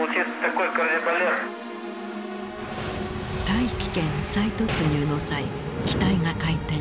大気圏再突入の際機体が回転。